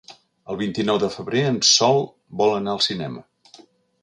El vint-i-nou de febrer en Sol vol anar al cinema.